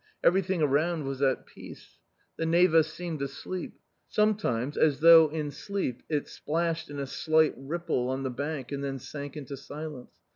Everything around was at peace. The Neva seemed asleep ; sometimes, as though in sleep, it splashed in a slight ripple on the bank and then sank into silence.